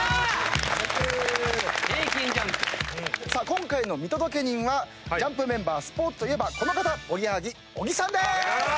今回の見届け人はＪＵＭＰメンバースポーツといえばこの方おぎやはぎ小木さんでーす！